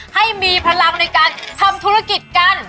ให้มีพลังในการทำธุรกิจกัน